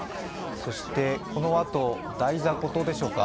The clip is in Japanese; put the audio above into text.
そしてこのあと台座ごとでしょうか